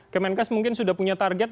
kemenkes mungkin sudah punya target